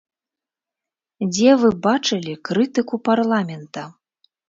Дзе вы бачылі крытыку парламента?